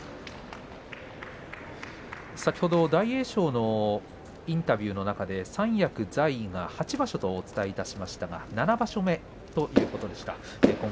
先ほど大栄翔のインタビューの中で三役在位が８場所とお伝えしましたが７場所目ということです。